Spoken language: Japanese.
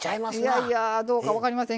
いやいやどうか分かりませんけどね。